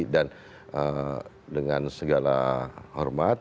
dan dengan segala hormat